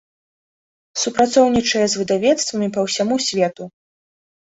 Супрацоўнічае з выдавецтвамі па ўсяму свету.